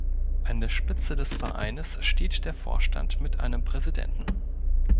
An der Spitze des Vereines steht der Vorstand mit einem Präsidenten.